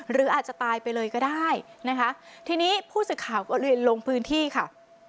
หรืออาจจะตายไปเลยก็ได้นะคะทีนี้ผู้สื่อข่าวก็เลยลงพื้นที่ค่ะ